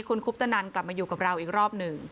คุณคุปตนันกลับมาอยู่กับเราอีกรอบหนึ่ง